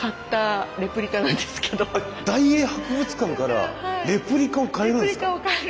大英博物館から買ったレプリカを買えるんです。